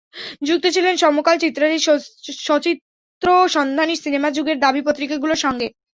যুক্ত ছিলেন সমকাল, চিত্রালী, সচিত্র সন্ধানী, সিনেমা, যুগের দাবী পত্রিকাগুলোর সঙ্গে।